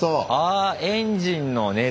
あエンジンの熱。